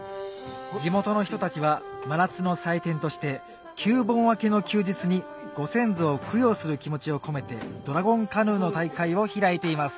地元の人たちは真夏の祭典として旧盆明けの休日にご先祖を供養する気持ちを込めてドラゴンカヌーの大会を開いています